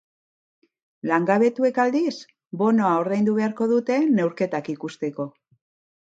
Langabetuek, aldiz, bonoa ordaindu beharko dute neurketak ikusteko.